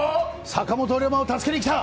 坂本龍馬を助けに来た。